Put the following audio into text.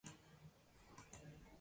adashmasam